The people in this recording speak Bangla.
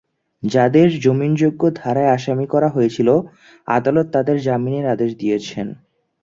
যাঁদের জামিনযোগ্য ধারায় আসামি করা হয়েছিল, আদালত তাঁদের জামিনের আদেশ দিয়েছেন।